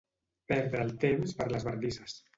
Perdre el temps per les bardisses.